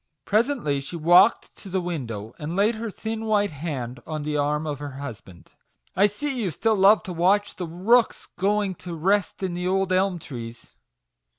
Presently she walked to the window, and laid her thin white hand on the arm of her husband. " I see you still love to watch the rooks going to rest in the old elm trees."